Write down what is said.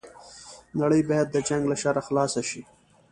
نړۍ بايد د جنګ له شره خلاصه شي